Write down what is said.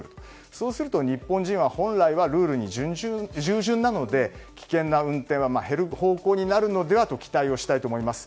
そうすると日本人は本来はルールに従順なので危険な運転は減る方向になるのではと期待したいと思います。